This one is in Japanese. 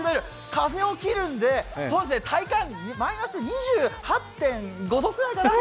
風を切るんで体感マイナス２８．５度ぐらいかな。